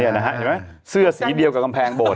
เห็นไหมเสื้อสีเดียวกับกำแพงโบด